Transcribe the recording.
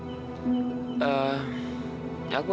terus aku bisa bareng bunda sama kita